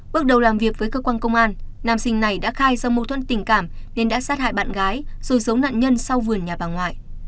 bước đầu làm việc với cơ quan công an nam sinh này đã khai do mâu thuẫn tình cảm nên đã sát hại bạn gái rồi giấu nạn nhân sau vườn nhà bà ngoại